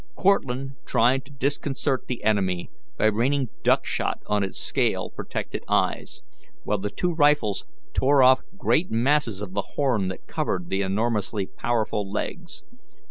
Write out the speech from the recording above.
Cortlandt tried to disconcert the enemy by raining duck shot on its scale protected eyes, while the two rifles tore off great masses of the horn that covered the enormously powerful legs.